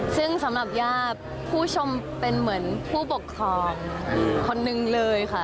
ซึ่งสำหรับญาติผู้ชมเป็นเหมือนผู้ปกครองคนนึงเลยค่ะ